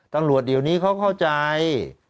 ตำรวจเดี๋ยวนี้เขาเข้าใจ